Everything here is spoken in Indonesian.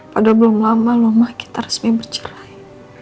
pada belum lama loh ma kita resmi bercerai